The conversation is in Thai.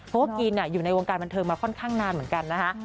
เพราะว่ากรีนอยู่ในวงการบันเทิงมาค่อนข้างนานเหมือนกันนะคะ